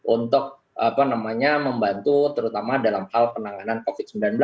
untuk membantu terutama dalam hal penanganan covid sembilan belas